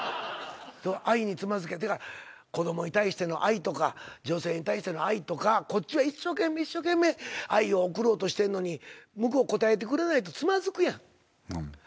「愛につまずけ」って子供に対しての愛とか女性に対しての愛とかこっちは一生懸命一生懸命愛をおくろうとしてんのに向こう応えてくれないとつまずくやん。